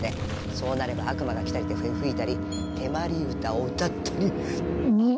そうなれば悪魔が来たりて笛吹いたり手まり唄を歌ったりうっ。